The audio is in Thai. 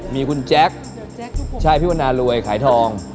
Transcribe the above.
มีคุณแจ๊คใช่พี่วันนารวยขายทอง